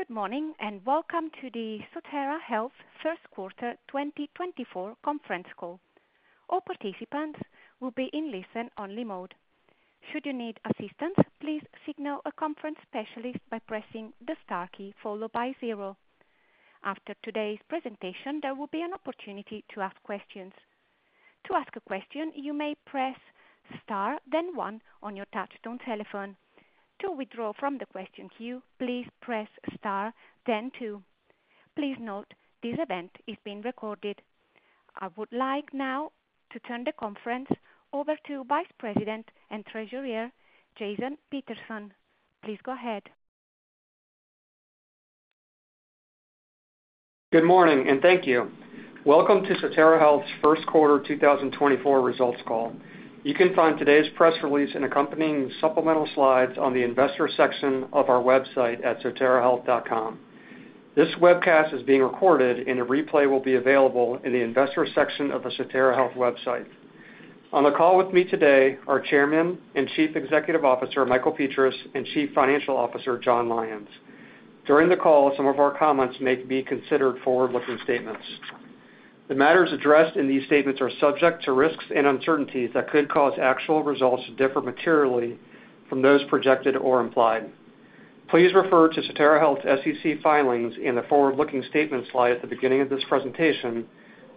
Good morning and welcome to the Sotera Health first quarter 2024 conference call. All participants will be in listen-only mode. Should you need assistance, please signal a conference specialist by pressing the star key followed by zero. After today's presentation, there will be an opportunity to ask questions. To ask a question, you may press star, then one on your touch-tone telephone. To withdraw from the question queue, please press star, then two. Please note, this event is being recorded. I would like now to turn the conference over to Vice President and Treasurer Jason Peterson. Please go ahead. Good morning and thank you. Welcome to Sotera Health's first quarter 2024 results call. You can find today's press release and accompanying supplemental slides on the investor section of our website at soterahealth.com. This webcast is being recorded, and a replay will be available in the investor section of the Sotera Health website. On the call with me today are Chairman and Chief Executive Officer Michael Petras and Chief Financial Officer Jon Lyons. During the call, some of our comments may be considered forward-looking statements. The matters addressed in these statements are subject to risks and uncertainties that could cause actual results to differ materially from those projected or implied. Please refer to Sotera Health's SEC filings in the forward-looking statements slide at the beginning of this presentation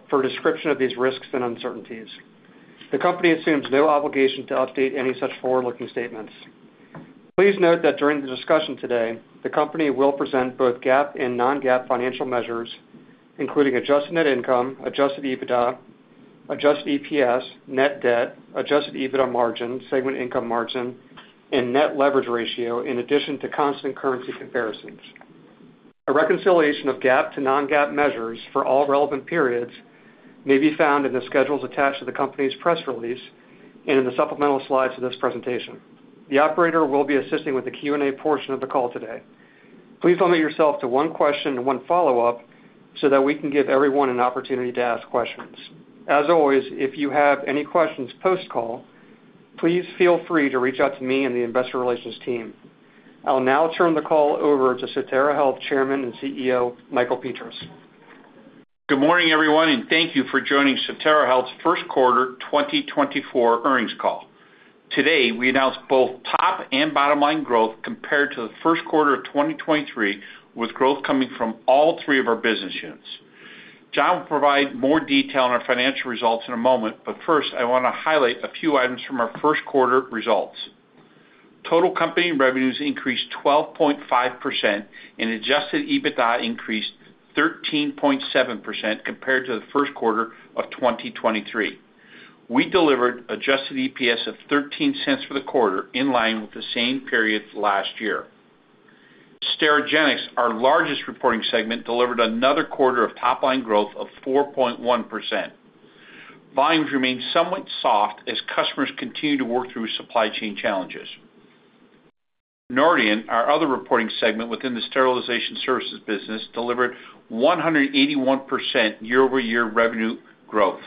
for a description of these risks and uncertainties. The company assumes no obligation to update any such forward-looking statements. Please note that during the discussion today, the company will present both GAAP and non-GAAP financial measures, including adjusted net income, Adjusted EBITDA, adjusted EPS, net debt, Adjusted EBITDA margin, segment income margin, and net leverage ratio, in addition to constant currency comparisons. A reconciliation of GAAP to non-GAAP measures for all relevant periods may be found in the schedules attached to the company's press release and in the supplemental slides of this presentation. The operator will be assisting with the Q&A portion of the call today. Please limit yourself to one question and one follow-up so that we can give everyone an opportunity to ask questions. As always, if you have any questions post-call, please feel free to reach out to me and the investor relations team. I'll now turn the call over to Sotera Health Chairman and CEO Michael Petras. Good morning everyone, and thank you for joining Sotera Health's first quarter 2024 earnings call. Today, we announced both top and bottom line growth compared to the first quarter of 2023, with growth coming from all three of our business units. Jon will provide more detail on our financial results in a moment, but first, I want to highlight a few items from our first quarter results. Total company revenues increased 12.5%, and Adjusted EBITDA increased 13.7% compared to the first quarter of 2023. We delivered Adjusted EPS of $0.13 for the quarter, in line with the same period last year. Sterigenics, our largest reporting segment, delivered another quarter of top line growth of 4.1%. Volumes remained somewhat soft as customers continued to work through supply chain challenges. Nordion, our other reporting segment within the sterilization services business, delivered 181% year-over-year revenue growth.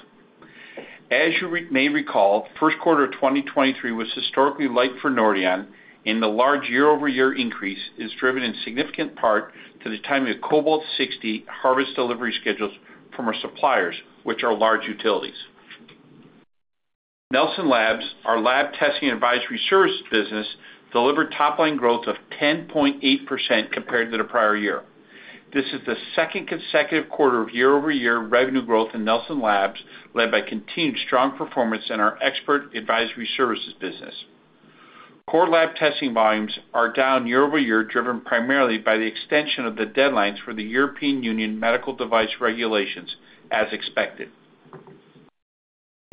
As you may recall, first quarter of 2023 was historically light for Nordion, and the large year-over-year increase is driven in significant part to the timing of Cobalt-60 harvest delivery schedules from our suppliers, which are large utilities. Nelson Labs, our lab testing and advisory services business, delivered top line growth of 10.8% compared to the prior year. This is the second consecutive quarter of year-over-year revenue growth in Nelson Labs, led by continued strong performance in our expert advisory services business. Core lab testing volumes are down year-over-year, driven primarily by the extension of the deadlines for the European Union medical device regulations, as expected.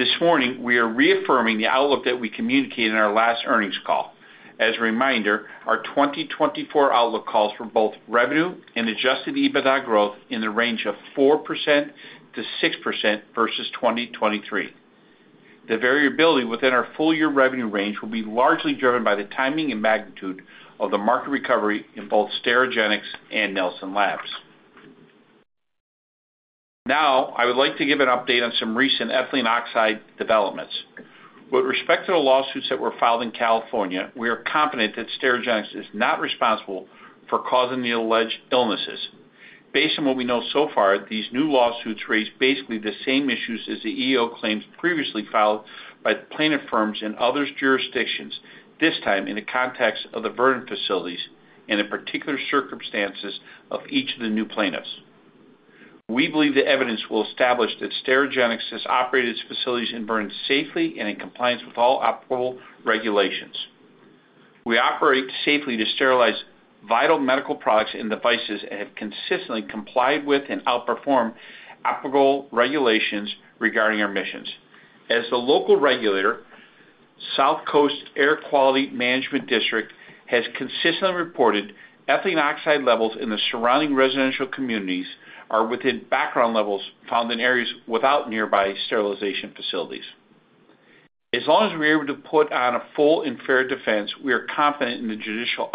This morning, we are reaffirming the outlook that we communicated in our last earnings call. As a reminder, our 2024 outlook calls for both revenue and Adjusted EBITDA growth in the range of 4%-6% versus 2023. The variability within our full-year revenue range will be largely driven by the timing and magnitude of the market recovery in both Sterigenics and Nelson Labs. Now, I would like to give an update on some recent ethylene oxide developments. With respect to the lawsuits that were filed in California, we are confident that Sterigenics is not responsible for causing the alleged illnesses. Based on what we know so far, these new lawsuits raise basically the same issues as the EO claims previously filed by plaintiff firms in other jurisdictions, this time in the context of the Vernon facilities and the particular circumstances of each of the new plaintiffs. We believe the evidence will establish that Sterigenics has operated its facilities in Vernon safely and in compliance with all operational regulations. We operate safely to sterilize vital medical products and devices and have consistently complied with and outperformed operational regulations regarding our emissions. As the local regulator, South Coast Air Quality Management District, has consistently reported ethylene oxide levels in the surrounding residential communities are within background levels found in areas without nearby sterilization facilities. As long as we are able to put on a full and fair defense, we are confident in the judicial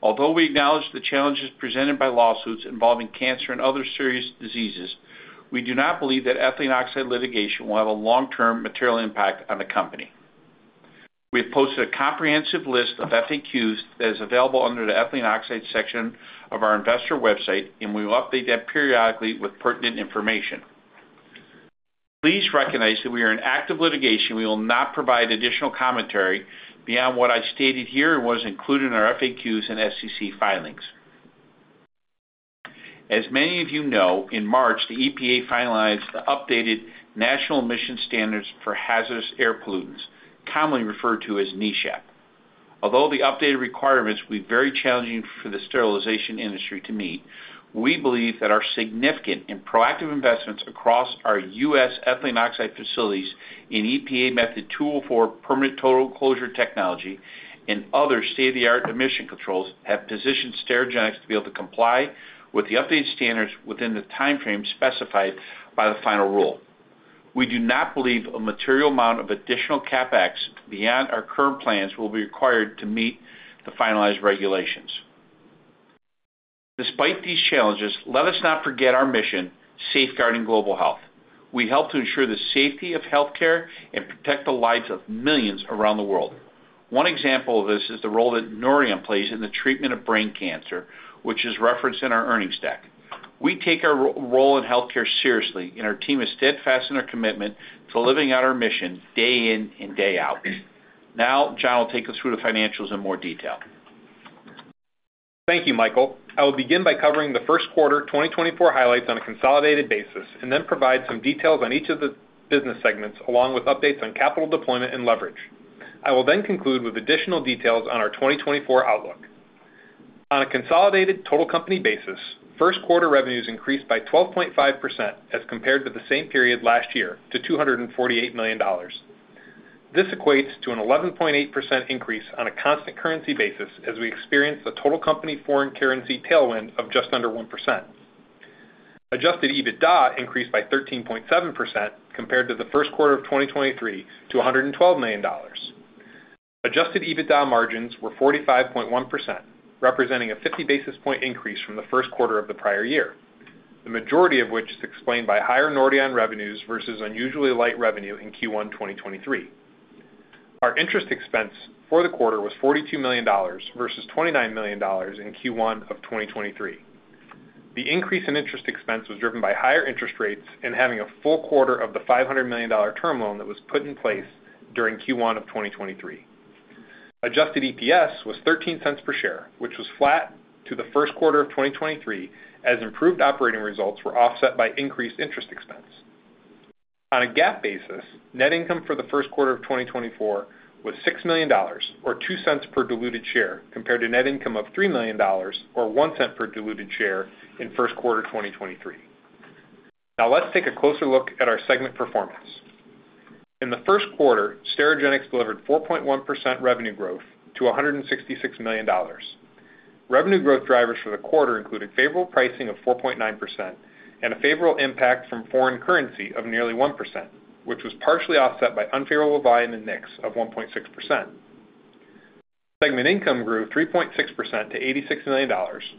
outcome. Although we acknowledge the challenges presented by lawsuits involving cancer and other serious diseases, we do not believe that ethylene oxide litigation will have a long-term material impact on the company. We have posted a comprehensive list of FAQs that is available under the ethylene oxide section of our investor website, and we will update that periodically with pertinent information. Please recognize that we are in active litigation. We will not provide additional commentary beyond what I stated here and was included in our FAQs and SEC filings. As many of you know, in March, the EPA finalized the updated National Emissions Standards for Hazardous Air Pollutants, commonly referred to as NESHAP. Although the updated requirements will be very challenging for the sterilization industry to meet, we believe that our significant and proactive investments across our U.S. ethylene oxide facilities in EPA Method 204 Permanent Total Enclosure technology and other state-of-the-art emission controls have positioned Sterigenics to be able to comply with the updated standards within the timeframe specified by the final rule. We do not believe a material amount of additional CapEx beyond our current plans will be required to meet the finalized regulations. Despite these challenges, let us not forget our mission, safeguarding global health. We help to ensure the safety of healthcare and protect the lives of millions around the world. One example of this is the role that Nordion plays in the treatment of brain cancer, which is referenced in our earnings deck. We take our role in healthcare seriously, and our team is steadfast in our commitment to living out our mission day in and day out. Now, Jon will take us through the financials in more detail. Thank you, Michael. I will begin by covering the first quarter 2024 highlights on a consolidated basis and then provide some details on each of the business segments along with updates on capital deployment and leverage. I will then conclude with additional details on our 2024 outlook. On a consolidated total company basis, first quarter revenues increased by 12.5% as compared to the same period last year to $248 million. This equates to an 11.8% increase on a constant currency basis as we experienced a total company foreign currency tailwind of just under 1%. Adjusted EBITDA increased by 13.7% compared to the first quarter of 2023 to $112 million. Adjusted EBITDA margins were 45.1%, representing a 50 basis point increase from the first quarter of the prior year, the majority of which is explained by higher Nordion revenues versus unusually light revenue in Q1 2023. Our interest expense for the quarter was $42 million versus $29 million in Q1 of 2023. The increase in interest expense was driven by higher interest rates and having a full quarter of the $500 million term loan that was put in place during Q1 of 2023. Adjusted EPS was $0.13 per share, which was flat to the first quarter of 2023 as improved operating results were offset by increased interest expense. On a GAAP basis, net income for the first quarter of 2024 was $6 million or $0.02 per diluted share compared to net income of $3 million or $0.01 per diluted share in first quarter 2023. Now, let's take a closer look at our segment performance. In the first quarter, Sterigenics delivered 4.1% revenue growth to $166 million. Revenue growth drivers for the quarter included favorable pricing of 4.9% and a favorable impact from foreign currency of nearly 1%, which was partially offset by unfavorable volume and mix of 1.6%. Segment income grew 3.6% to $86 million,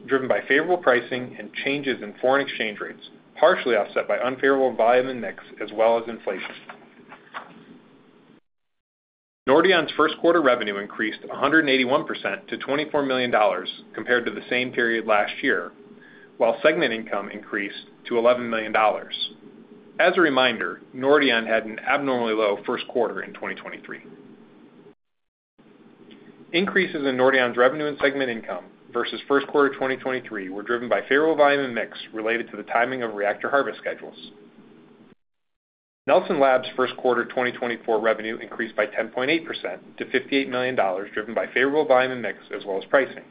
driven by favorable pricing and changes in foreign exchange rates, partially offset by unfavorable volume and mix as well as inflation. Nordion's first quarter revenue increased 181% to $24 million compared to the same period last year, while segment income increased to $11 million. As a reminder, Nordion had an abnormally low first quarter in 2023. Increases in Nordion's revenue and segment income versus first quarter 2023 were driven by favorable volume and mix related to the timing of reactor harvest schedules. Nelson Labs' first quarter 2024 revenue increased by 10.8% to $58 million, driven by favorable volume and mix as well as pricing.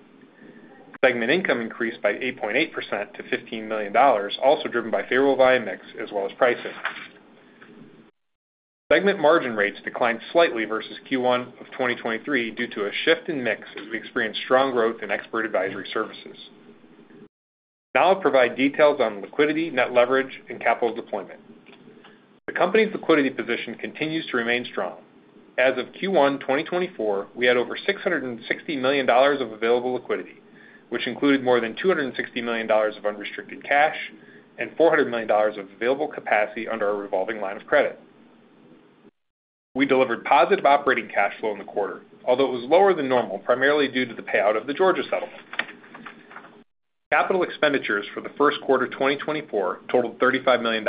Segment income increased by 8.8% to $15 million, also driven by favorable volume and mix as well as pricing. Segment margin rates declined slightly versus Q1 of 2023 due to a shift in mix as we experienced strong growth in expert advisory services. Now I'll provide details on liquidity, net leverage, and capital deployment. The company's liquidity position continues to remain strong. As of Q1 2024, we had over $660 million of available liquidity, which included more than $260 million of unrestricted cash and $400 million of available capacity under our revolving line of credit. We delivered positive operating cash flow in the quarter, although it was lower than normal primarily due to the payout of the Georgia settlement. Capital expenditures for the first quarter 2024 totaled $35 million.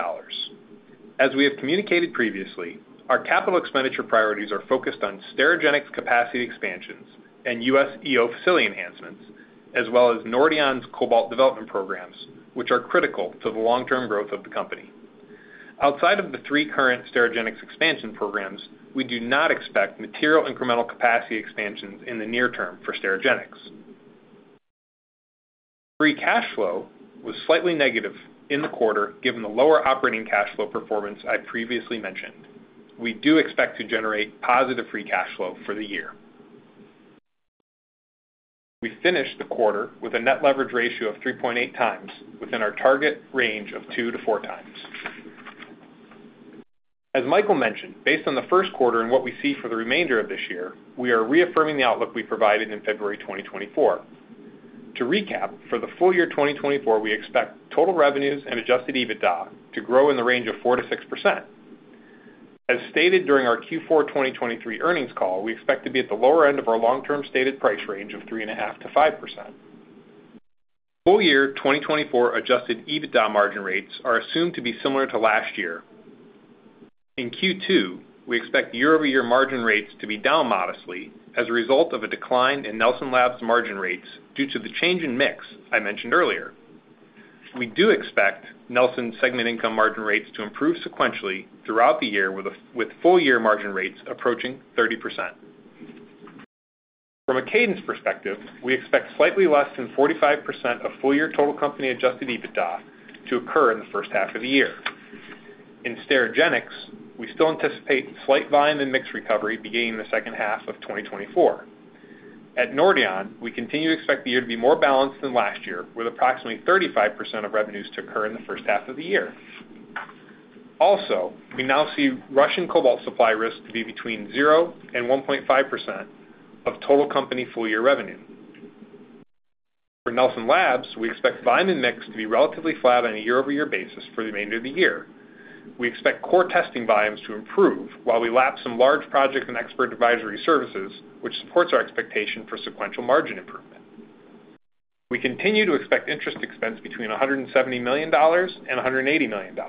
As we have communicated previously, our capital expenditure priorities are focused on Sterigenics capacity expansions and U.S. EO facility enhancements, as well as Nordion's cobalt development programs, which are critical to the long-term growth of the company. Outside of the three current Sterigenics expansion programs, we do not expect material incremental capacity expansions in the near term for Sterigenics. Free cash flow was slightly negative in the quarter given the lower operating cash flow performance I previously mentioned. We do expect to generate positive free cash flow for the year. We finished the quarter with a net leverage ratio of 3.8x within our target range of 2-4x. As Michael mentioned, based on the first quarter and what we see for the remainder of this year, we are reaffirming the outlook we provided in February 2024. To recap, for the full year 2024, we expect total revenues and Adjusted EBITDA to grow in the range of 4%-6%. As stated during our Q4 2023 earnings call, we expect to be at the lower end of our long-term stated price range of 3.5%-5%. Full year 2024 Adjusted EBITDA margin rates are assumed to be similar to last year. In Q2, we expect year-over-year margin rates to be down modestly as a result of a decline in Nelson Labs' margin rates due to the change in mix I mentioned earlier. We do expect Nelson's segment income margin rates to improve sequentially throughout the year with full year margin rates approaching 30%. From a cadence perspective, we expect slightly less than 45% of full year total company Adjusted EBITDA to occur in the first half of the year. In Sterigenics, we still anticipate slight volume and mix recovery beginning in the second half of 2024. At Nordion, we continue to expect the year to be more balanced than last year with approximately 35% of revenues to occur in the first half of the year. Also, we now see Russian cobalt supply risk to be between 0%-1.5% of total company full year revenue. For Nelson Labs, we expect volume and mix to be relatively flat on a year-over-year basis for the remainder of the year. We expect core testing volumes to improve while we lap some large project and expert advisory services, which supports our expectation for sequential margin improvement. We continue to expect interest expense between $170 million-$180 million.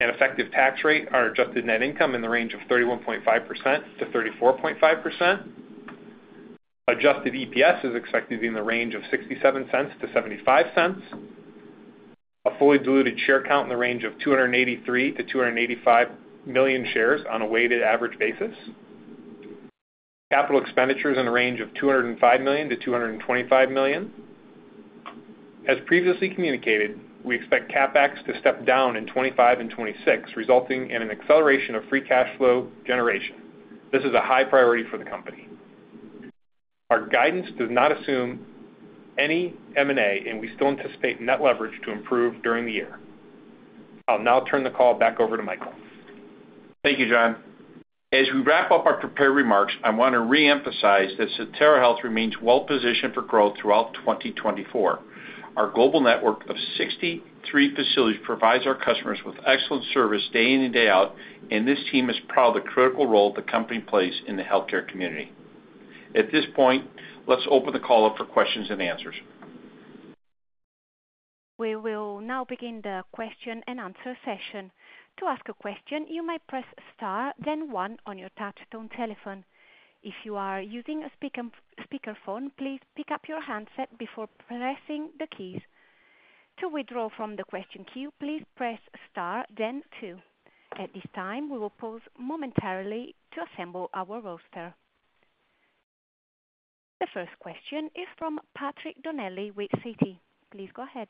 An effective tax rate on adjusted net income in the range of 31.5%-34.5%. Adjusted EPS is expected to be in the range of $0.67-$0.75. A fully diluted share count in the range of 283-285 million shares on a weighted average basis. Capital expenditures in the range of $205 million-$225 million. As previously communicated, we expect CAPEX to step down in 2025 and 2026, resulting in an acceleration of free cash flow generation. This is a high priority for the company. Our guidance does not assume any M&A, and we still anticipate net leverage to improve during the year. I'll now turn the call back over to Michael. Thank you, Jon. As we wrap up our prepared remarks, I want to reemphasize that Sotera Health remains well positioned for growth throughout 2024. Our global network of 63 facilities provides our customers with excellent service day in and day out, and this team is proud of the critical role the company plays in the healthcare community. At this point, let's open the call up for questions and answers. We will now begin the question and answer session. To ask a question, you may press star, then one on your touch-tone telephone. If you are using a speakerphone, please pick up your handset before pressing the keys. To withdraw from the question queue, please press star, then two. At this time, we will pause momentarily to assemble our roster. The first question is from Patrick Donnelly with Citi. Please go ahead.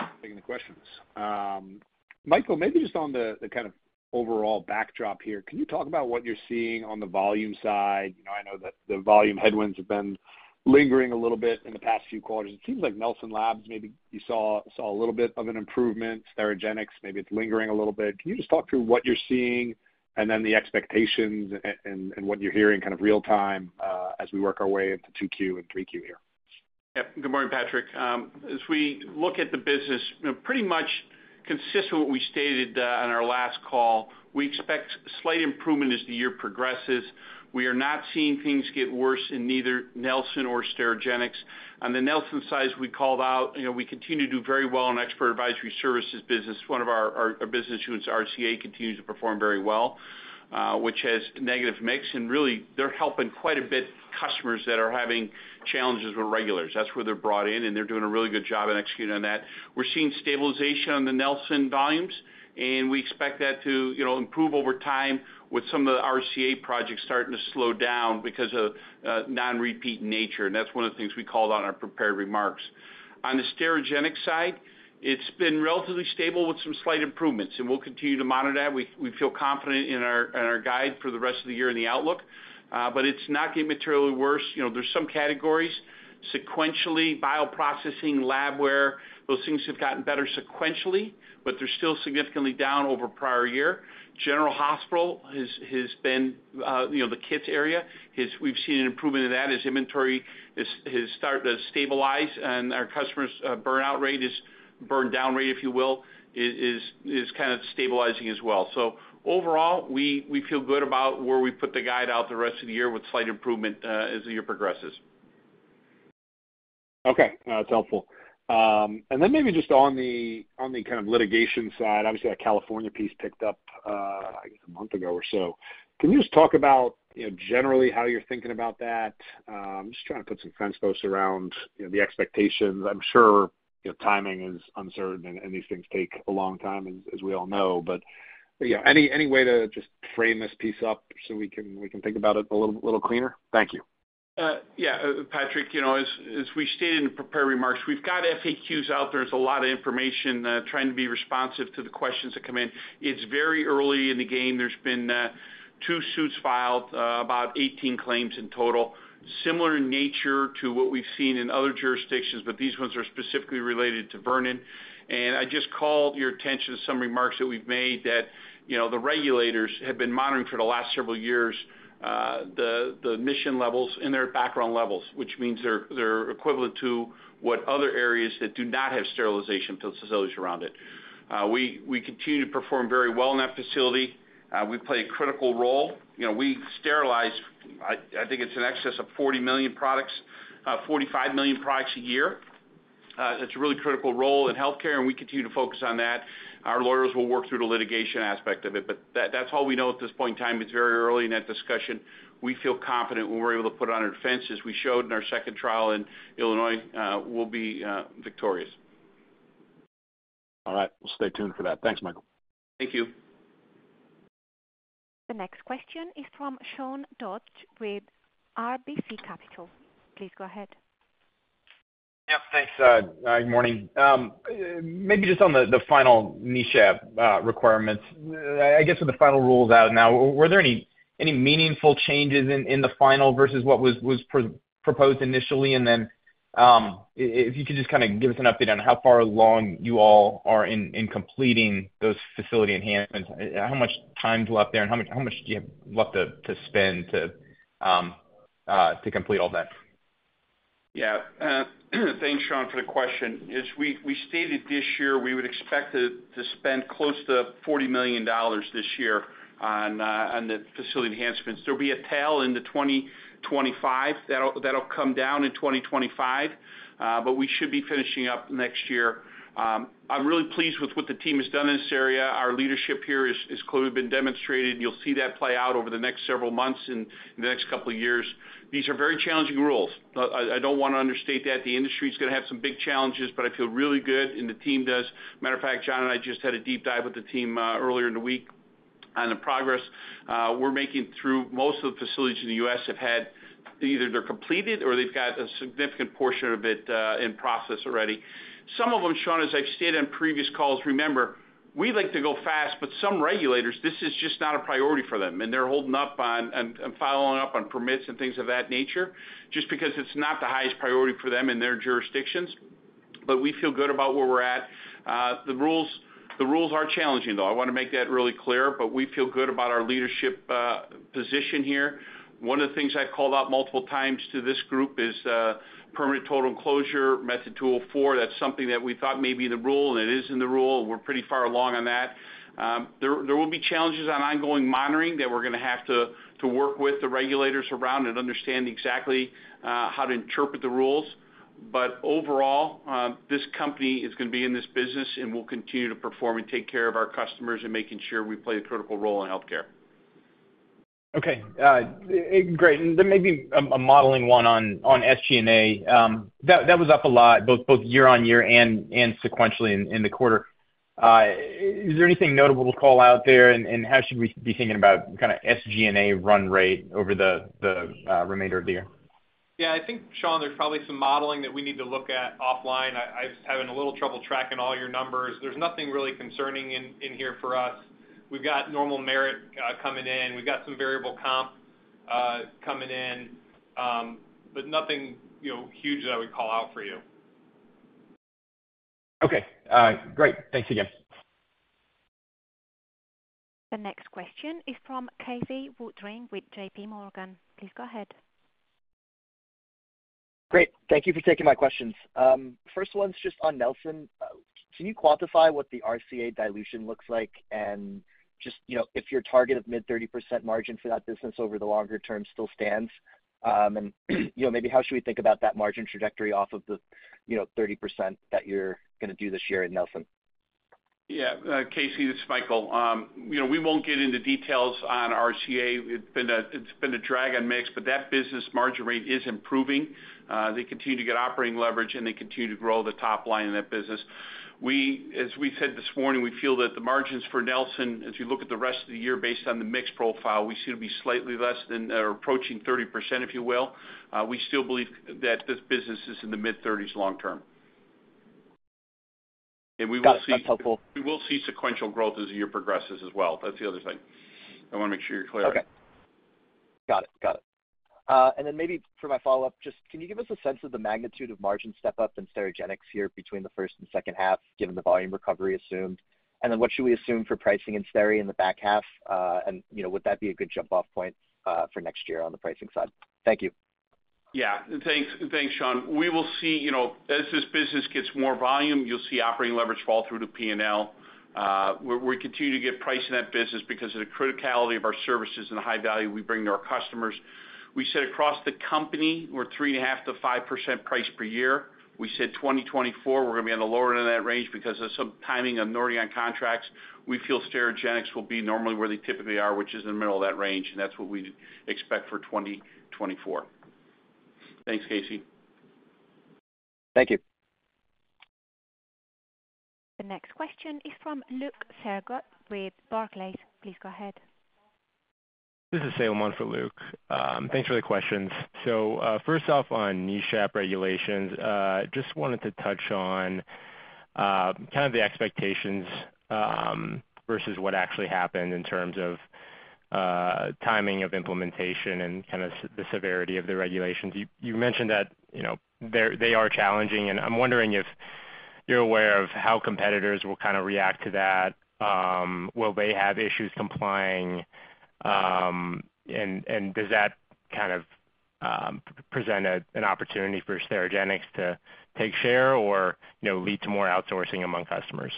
Thank you for taking the questions. Michael, maybe just on the kind of overall backdrop here, can you talk about what you're seeing on the volume side? I know that the volume headwinds have been lingering a little bit in the past few quarters. It seems like Nelson Labs, maybe you saw a little bit of an improvement. Sterigenics, maybe it's lingering a little bit. Can you just talk through what you're seeing and then the expectations and what you're hearing kind of real-time as we work our way into Q2 and Q3 here? Yep. Good morning, Patrick. As we look at the business, pretty much consistent with what we stated on our last call, we expect slight improvement as the year progresses. We are not seeing things get worse in neither Nelson nor Sterigenics. On the Nelson side as we called out, we continue to do very well in expert advisory services business. One of our business units, RCA, continues to perform very well, which has negative mix. And really, they're helping quite a bit of customers that are having challenges with regulators. That's where they're brought in, and they're doing a really good job in executing on that. We're seeing stabilization on the Nelson volumes, and we expect that to improve over time with some of the RCA projects starting to slow down because of non-repeat nature. And that's one of the things we called out in our prepared remarks. On the Sterigenics side, it's been relatively stable with some slight improvements, and we'll continue to monitor that. We feel confident in our guide for the rest of the year and the outlook, but it's not getting materially worse. There's some categories. Sequentially, bioprocessing, labware, those things have gotten better sequentially, but they're still significantly down over prior year. General Hospital has been the kit area. We've seen an improvement in that as inventory has started to stabilize, and our customer's burnout rate, his burn-down rate, if you will, is kind of stabilizing as well. So overall, we feel good about where we put the guide out the rest of the year with slight improvement as the year progresses. Okay. That's helpful. And then maybe just on the kind of litigation side, obviously, that California piece picked up, I guess, a month ago or so. Can you just talk about generally how you're thinking about that? I'm just trying to put some fence posts around the expectations. I'm sure timing is uncertain, and these things take a long time, as we all know. But any way to just frame this piece up so we can think about it a little cleaner? Thank you. Yeah, Patrick. As we stated in the prepared remarks, we've got FAQs out there. There's a lot of information trying to be responsive to the questions that come in. It's very early in the game. There's been two suits filed, about 18 claims in total, similar in nature to what we've seen in other jurisdictions, but these ones are specifically related to Vernon. And I just called your attention to some remarks that we've made that the regulators have been monitoring for the last several years the emission levels and their background levels, which means they're equivalent to what other areas that do not have sterilization facilities around it. We continue to perform very well in that facility. We play a critical role. We sterilize, I think it's in excess of 40 million products, 45 million products a year. That's a really critical role in healthcare, and we continue to focus on that. Our lawyers will work through the litigation aspect of it, but that's all we know at this point in time. It's very early in that discussion. We feel confident when we're able to put it on our defense, as we showed in our second trial in Illinois. We'll be victorious. All right. We'll stay tuned for that. Thanks, Michael. Thank you. The next question is from Sean Dodge with RBC Capital. Please go ahead. Yep. Thanks, Todd. Good morning. Maybe just on the final NESHAP requirements. I guess with the final rules out now, were there any meaningful changes in the final versus what was proposed initially? And then if you could just kind of give us an update on how far along you all are in completing those facility enhancements, how much time's left there, and how much do you have left to spend to complete all that? Yeah. Thanks, Sean, for the question. As we stated this year, we would expect to spend close to $40 million this year on the facility enhancements. There'll be a tail in 2025. That'll come down in 2025, but we should be finishing up next year. I'm really pleased with what the team has done in this area. Our leadership here has clearly been demonstrated, and you'll see that play out over the next several months and the next couple of years. These are very challenging rules. I don't want to understate that. The industry is going to have some big challenges, but I feel really good, and the team does. As a matter of fact, Jon and I just had a deep dive with the team earlier in the week on the progress we're making through most of the facilities in the U.S. have had either they're completed or they've got a significant portion of it in process already. Some of them, Sean, as I've stated on previous calls, remember, we like to go fast, but some regulators, this is just not a priority for them. They're holding up and following up on permits and things of that nature just because it's not the highest priority for them in their jurisdictions. But we feel good about where we're at. The rules are challenging, though. I want to make that really clear. But we feel good about our leadership position here. One of the things I've called out multiple times to this group is Permanent Total Enclosure, Method 204. That's something that we thought may be in the rule, and it is in the rule. We're pretty far along on that. There will be challenges on ongoing monitoring that we're going to have to work with the regulators around and understand exactly how to interpret the rules. But overall, this company is going to be in this business, and we'll continue to perform and take care of our customers and making sure we play a critical role in healthcare. Okay. Great. And then maybe a modeling one on SG&A. That was up a lot, both year-on-year and sequentially in the quarter. Is there anything notable to call out there, and how should we be thinking about kind of SG&A run rate over the remainder of the year? Yeah. I think, Sean, there's probably some modeling that we need to look at offline. I'm having a little trouble tracking all your numbers. There's nothing really concerning in here for us. We've got normal merit coming in. We've got some variable comp coming in, but nothing huge that I would call out for you. Okay. Great. Thanks again. The next question is from Casey Woodring with J.P. Morgan. Please go ahead. Great. Thank you for taking my questions. First one's just on Nelson. Can you quantify what the RCA dilution looks like and just if your target of mid-30% margin for that business over the longer term still stands? And maybe how should we think about that margin trajectory off of the 30% that you're going to do this year in Nelson? Yeah. Casey, this is Michael. We won't get into details on RCA. It's been a drag on mix, but that business margin rate is improving. They continue to get operating leverage, and they continue to grow the top line in that business. As we said this morning, we feel that the margins for Nelson, as you look at the rest of the year based on the mix profile, we see to be slightly less than or approaching 30%, if you will. We still believe that this business is in the mid-30s long term. We will see. Got it. That's helpful. We will see sequential growth as the year progresses as well. That's the other thing. I want to make sure you're clear. Okay. Got it. Got it. And then maybe for my follow-up, just can you give us a sense of the magnitude of margin step-up in Sterigenics here between the first and second half, given the volume recovery assumed? And then what should we assume for pricing in Steri in the back half? And would that be a good jump-off point for next year on the pricing side? Thank you. Yeah. Thanks, Casey. We will see as this business gets more volume, you'll see operating leverage fall through to P&L. We continue to get price in that business because of the criticality of our services and the high value we bring to our customers. We said across the company, we're 3.5%-5% price per year. We said 2024, we're going to be on the lower end of that range because of some timing of Nordion contracts. We feel Sterigenics will be normally where they typically are, which is in the middle of that range. That's what we expect for 2024. Thanks, Casey. Thank you. The next question is from Luke Sergott with Barclays. Please go ahead. This is Salman for Luke. Thanks for the questions. So first off, on NESHAP regulations, just wanted to touch on kind of the expectations versus what actually happened in terms of timing of implementation and kind of the severity of the regulations. You mentioned that they are challenging, and I'm wondering if you're aware of how competitors will kind of react to that. Will they have issues complying? And does that kind of present an opportunity for Sterigenics to take share or lead to more outsourcing among customers?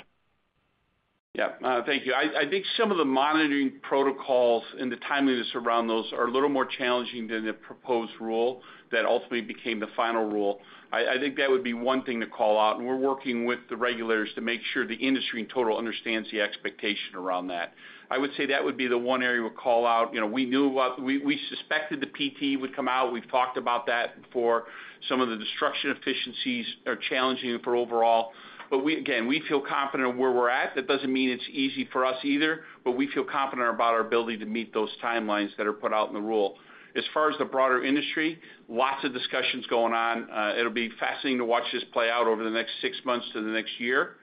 Yeah. Thank you. I think some of the monitoring protocols and the timeliness around those are a little more challenging than the proposed rule that ultimately became the final rule. I think that would be one thing to call out. And we're working with the regulators to make sure the industry in total understands the expectation around that. I would say that would be the one area we'll call out. We knew about we suspected the PT would come out. We've talked about that before. Some of the destruction efficiencies are challenging for overall. But again, we feel confident where we're at. That doesn't mean it's easy for us either, but we feel confident about our ability to meet those timelines that are put out in the rule. As far as the broader industry, lots of discussions going on. It'll be fascinating to watch this play out over the next six months to the next year.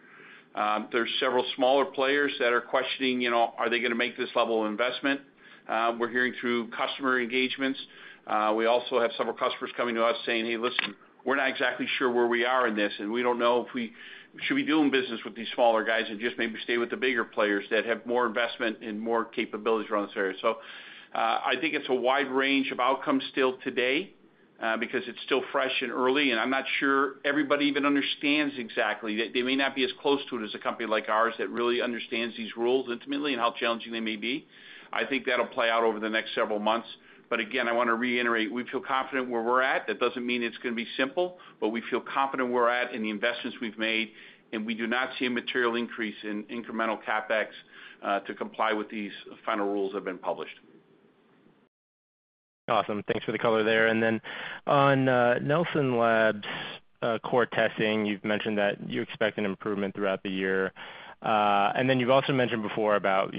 There's several smaller players that are questioning, "Are they going to make this level of investment?" We're hearing through customer engagements. We also have several customers coming to us saying, "Hey, listen, we're not exactly sure where we are in this, and we don't know if we should be doing business with these smaller guys and just maybe stay with the bigger players that have more investment and more capabilities around this area." I think it's a wide range of outcomes still today because it's still fresh and early. I'm not sure everybody even understands exactly. They may not be as close to it as a company like ours that really understands these rules intimately and how challenging they may be. I think that'll play out over the next several months. Again, I want to reiterate, we feel confident where we're at. That doesn't mean it's going to be simple, but we feel confident where we're at in the investments we've made. We do not see a material increase in incremental CAPEX to comply with these final rules that have been published. Awesome. Thanks for the color there. Then on Nelson Labs core testing, you've mentioned that you expect an improvement throughout the year. You've also mentioned before about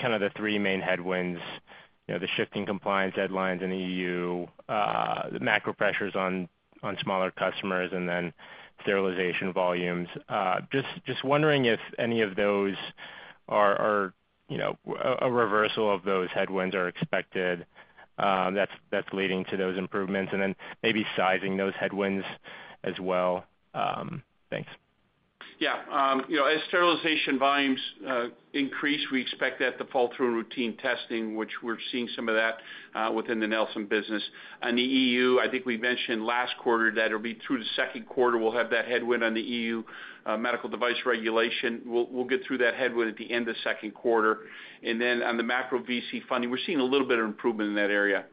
kind of the three main headwinds, the shifting compliance deadlines in the EU, the macro pressures on smaller customers, and then sterilization volumes. Just wondering if any of those are a reversal of those headwinds, are expected, that's leading to those improvements, and then maybe sizing those headwinds as well. Thanks. Yeah. As sterilization volumes increase, we expect that to fall through in routine testing, which we're seeing some of that within the Nelson business. On the EU, I think we mentioned last quarter that it'll be through the second quarter, we'll have that headwind on the EU medical device regulation. We'll get through that headwind at the end of second quarter. And then on the macro VC funding, we're seeing a little bit of improvement in that area.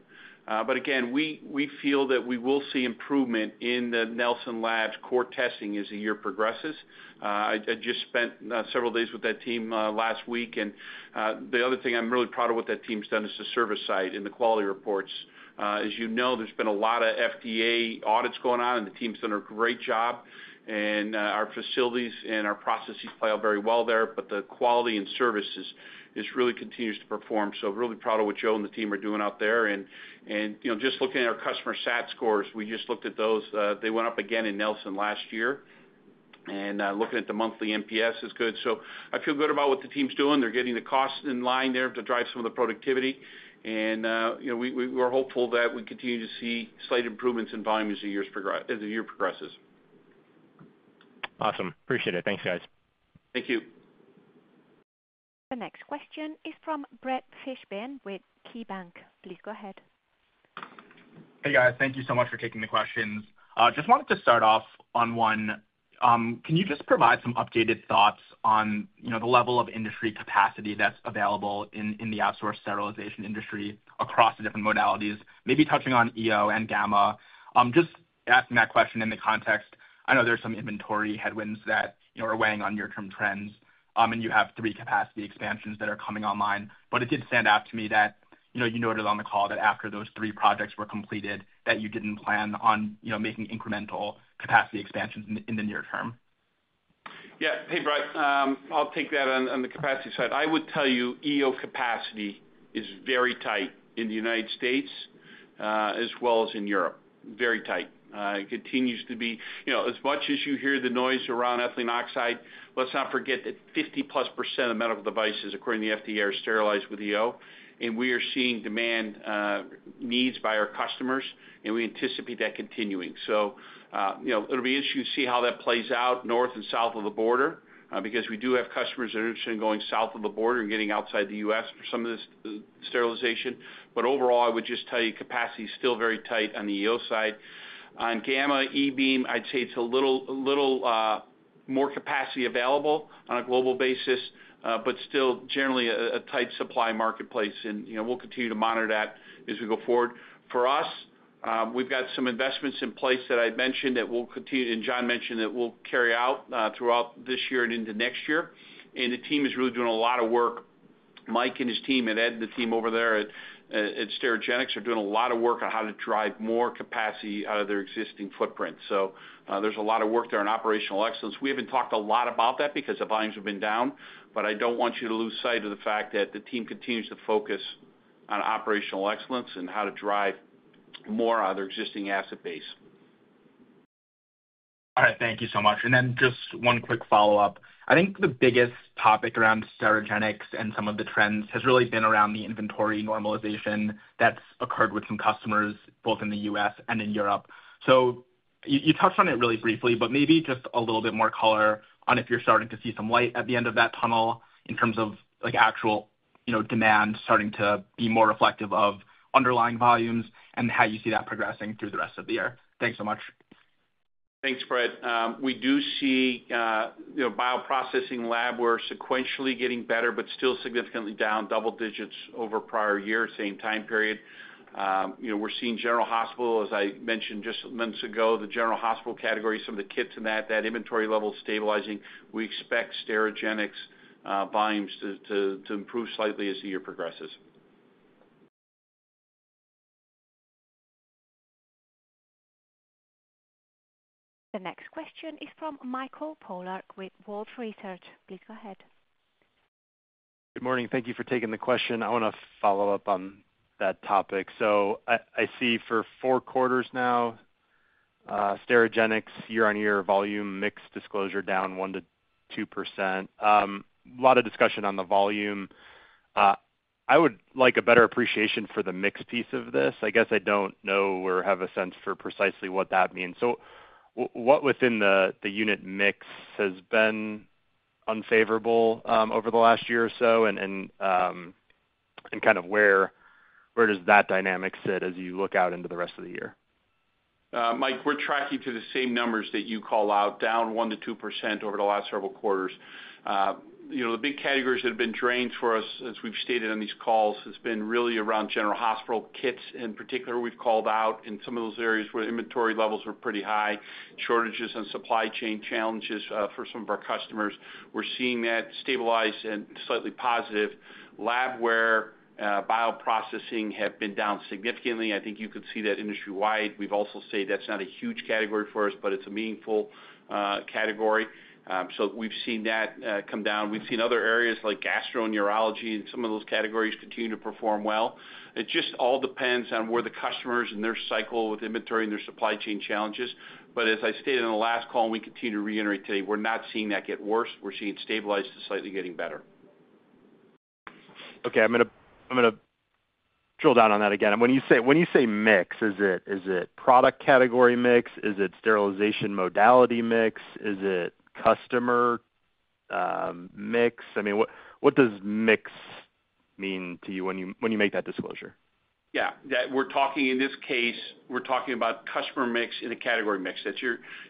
But again, we feel that we will see improvement in the Nelson Labs core testing as the year progresses. I just spent several days with that team last week. And the other thing I'm really proud of what that team's done is the service side and the quality reports. As you know, there's been a lot of FDA audits going on, and the team's done a great job. And our facilities and our processes play out very well there, but the quality and services really continues to perform. So really proud of what Joe and the team are doing out there. And just looking at our customer sat scores, we just looked at those. They went up again in Nelson last year. And looking at the monthly NPS is good. So I feel good about what the team's doing. They're getting the cost in line there to drive some of the productivity. And we're hopeful that we continue to see slight improvements in volumes as the year progresses. Awesome. Appreciate it. Thanks, guys. Thank you. The next question is from Brett Fishbin with KeyBanc. Please go ahead. Hey, guys. Thank you so much for taking the questions. Just wanted to start off on one. Can you just provide some updated thoughts on the level of industry capacity that's available in the outsourced sterilization industry across the different modalities, maybe touching on EO and gamma? Just asking that question in the context. I know there's some inventory headwinds that are weighing on near-term trends, and you have three capacity expansions that are coming online. But it did stand out to me that you noted on the call that after those three projects were completed, that you didn't plan on making incremental capacity expansions in the near term. Yeah. Hey, Brett, I'll take that on the capacity side. I would tell you EO capacity is very tight in the United States as well as in Europe. Very tight. It continues to be as much as you hear the noise around ethylene oxide, let's not forget that 50%+ of medical devices, according to the FDA, are sterilized with EO. And we are seeing demand needs by our customers, and we anticipate that continuing. So it'll be interesting to see how that plays out north and south of the border because we do have customers that are interested in going south of the border and getting outside the U.S. for some of this sterilization. But overall, I would just tell you capacity is still very tight on the EO side. On Gamma, E-beam, I'd say it's a little more capacity available on a global basis, but still generally a tight supply marketplace. We'll continue to monitor that as we go forward. For us, we've got some investments in place that I mentioned that we'll continue and Jon mentioned that we'll carry out throughout this year and into next year. The team is really doing a lot of work. Mike and his team and Ed and the team over there at Sterigenics are doing a lot of work on how to drive more capacity out of their existing footprint. There's a lot of work there on operational excellence. We haven't talked a lot about that because the volumes have been down. But I don't want you to lose sight of the fact that the team continues to focus on operational excellence and how to drive more out of their existing asset base. All right. Thank you so much. And then just one quick follow-up. I think the biggest topic around Sterigenics and some of the trends has really been around the inventory normalization that's occurred with some customers, both in the U.S. and in Europe. So you touched on it really briefly, but maybe just a little bit more color on if you're starting to see some light at the end of that tunnel in terms of actual demand starting to be more reflective of underlying volumes and how you see that progressing through the rest of the year. Thanks so much. Thanks, Brett. We do see bioprocessing lab. We're sequentially getting better, but still significantly down, double digits over prior year, same time period. We're seeing general hospital, as I mentioned just months ago, the general hospital category, some of the kits in that, that inventory level stabilizing. We expect Sterigenics volumes to improve slightly as the year progresses. The next question is from Mike Polark with Wolfe Research. Please go ahead. Good morning. Thank you for taking the question. I want to follow up on that topic. So I see for four quarters now, Sterigenics, year-on-year volume mix disclosure down 1%-2%. A lot of discussion on the volume. I would like a better appreciation for the mix piece of this. I guess I don't know or have a sense for precisely what that means. So what within the unit mix has been unfavorable over the last year or so? And kind of where does that dynamic sit as you look out into the rest of the year? Mike, we're tracking to the same numbers that you call out, down 1%-2% over the last several quarters. The big categories that have been drained for us, as we've stated on these calls, has been really around General Hospital kits. In particular, we've called out in some of those areas where inventory levels were pretty high, shortages on supply chain challenges for some of our customers. We're seeing that stabilize and slightly positive. Labware, Bioprocessing have been down significantly. I think you could see that industry-wide. We've also said that's not a huge category for us, but it's a meaningful category. So we've seen that come down. We've seen other areas like gastroenterology and some of those categories continue to perform well. It just all depends on where the customers and their cycle with inventory and their supply chain challenges. But as I stated on the last call, and we continue to reiterate today, we're not seeing that get worse. We're seeing it stabilize to slightly getting better. Okay. I'm going to drill down on that again. When you say mix, is it product category mix? Is it sterilization modality mix? Is it customer mix? I mean, what does mix mean to you when you make that disclosure? Yeah. In this case, we're talking about customer mix and the category mix.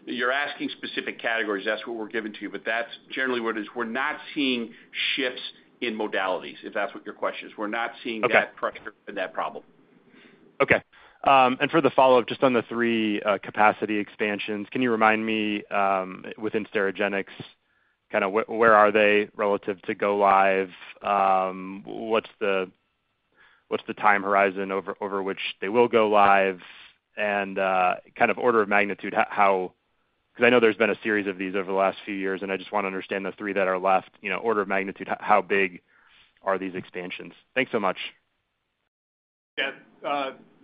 You're asking specific categories. That's what we're giving to you. But that's generally what it is. We're not seeing shifts in modalities, if that's what your question is. We're not seeing that pressure and that problem. Okay. And for the follow-up, just on the three capacity expansions, can you remind me within Sterigenics, kind of where are they relative to go live? What's the time horizon over which they will go live? And kind of order of magnitude, how because I know there's been a series of these over the last few years, and I just want to understand the three that are left. Order of magnitude, how big are these expansions? Thanks so much. Yeah.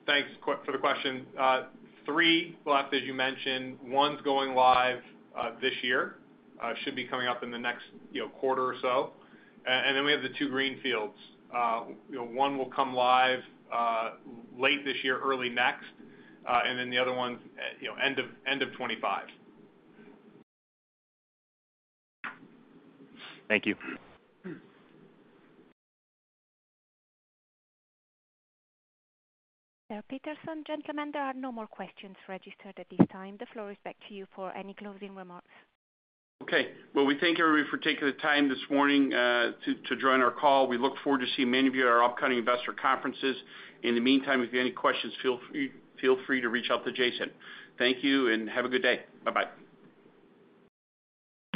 Thanks for the question. Three left, as you mentioned. One's going live this year. It should be coming up in the next quarter or so. And then we have the two green fields. One will come live late this year, early next. And then the other one, end of 2025. Thank you. Now, Peterson, gentlemen, there are no more questions registered at this time. The floor is back to you for any closing remarks. Okay. Well, we thank everybody for taking the time this morning to join our call. We look forward to seeing many of you at our upcoming investor conferences. In the meantime, if you have any questions, feel free to reach out to Jason. Thank you and have a good day. Bye-bye.